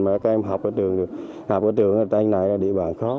mà các em học ở trường học ở trường ở đây này là địa bàn khó